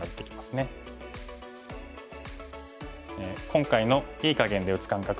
今回の“いい”かげんで打つ感覚